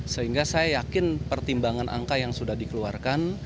sehingga saya yakin pertimbangan angka yang sudah dikeluarkan